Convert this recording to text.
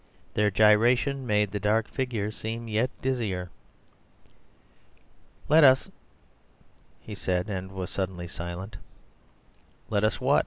Their gyration made the dark figure seem yet dizzier. "Let us..." he said, and was suddenly silent. "Let us what?"